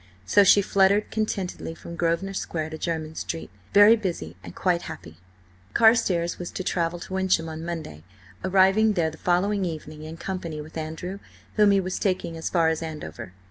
So she fluttered contentedly from Grosvenor Square to Jermyn Street, very busy and quite happy. Carstares was to travel to Wyncham on Monday, arriving there the following evening in company with Andrew, whom he was taking as far as Andover.